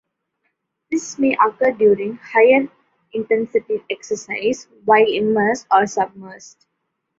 This may occur during higher intensity exercise while immersed or submersed.